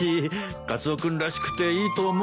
カツオ君らしくていいと思うなぁ。